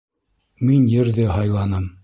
Мин Ерҙе һайланым.